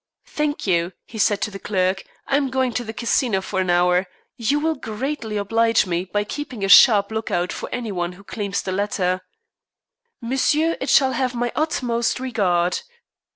"Thank you," he said to the clerk. "I am going to the Casino for an hour; you will greatly oblige me by keeping a sharp lookout for any one who claims the letter." "Monsieur, it shall have my utmost regard."